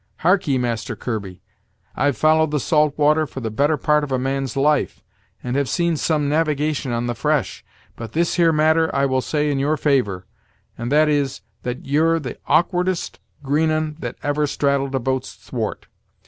Harkee, Master Kirby! I've followed the salt water for the better part of a man's life, and have seen some navigation on the fresh; but this here matter I will say in your favor, and that is, that you're the awk'ardest green 'un that ever straddled a boat's thwart.